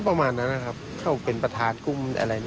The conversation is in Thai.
ประมาณนั้นนะครับเข้าเป็นประธานกุ้มอะไรนะ